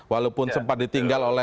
walaupun sempat ditinggal oleh pks dan pak